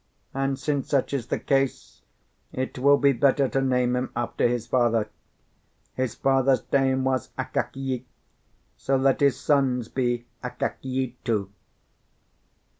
And since such is the case, it will be better to name him after his father. His father's name was Akakiy, so let his son's be Akakiy too."